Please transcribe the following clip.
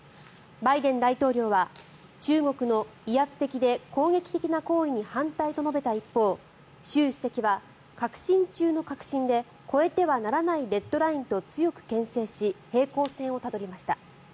バイデン大統領は中国の威圧的で攻撃的な行為に反対と述べた一方習主席は核心中の核心で越えてはならないレッドラインと強くけん制し平行線をたどりました。